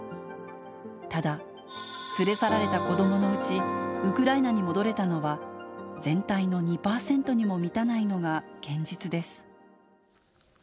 ただ、連れ去られた子どものうち、ウクライナに戻れたのは、全体の２％にも満たないのが現実です。